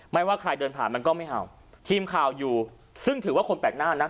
ว่าใครเดินผ่านมันก็ไม่เห่าทีมข่าวอยู่ซึ่งถือว่าคนแปลกหน้านะ